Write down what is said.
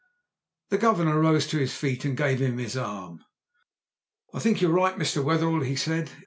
The Governor rose to his feet and gave him his arm. "I think you're right, Mr. Wetherell," he said.